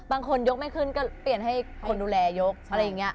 บางคนยกไม่ขึ้นก็เปลี่ยนให้คนดูแลยกอะไรอย่างนี้